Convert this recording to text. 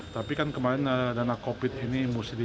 tapi kan kemarin dana covid ini